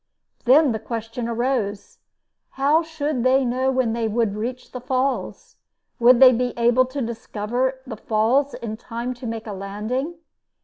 Then the question arose, how should they know when they would reach the falls? Would they be able to discover the falls in time to make a landing?